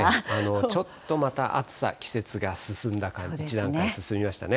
ちょっとまた暑さ、季節が進んだ、一段階進みましたね。